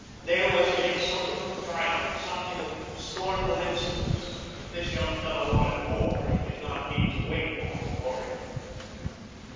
There was in it something of triumph, something of scornful insolence. If this young fellow wanted war, he did not need to wait long for it.